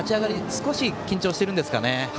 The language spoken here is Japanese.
少し緊張してるんですかね。